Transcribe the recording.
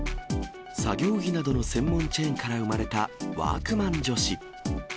作業着などの専門チェーンから生まれたワークマン女子。